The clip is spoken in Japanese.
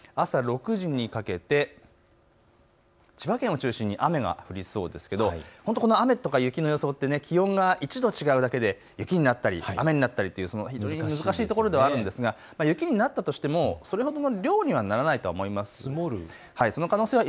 朝６時にかけて千葉県を中心に雨が降りそうですけど雨とか雪の予想って気温が１度違うだけで雪になったり雨になったりという、非常に難しいところではあるのですが雪になったとしてもそれほどの量にはならないと思います。